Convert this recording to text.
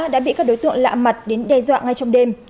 đã bị các đối tượng lạ mặt đến đe dọa ngay trong đêm